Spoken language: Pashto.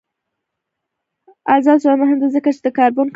آزاد تجارت مهم دی ځکه چې د کاربن کموي.